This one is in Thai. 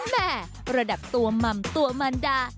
แหม่ระดับตัวหม่ำตัวมันดา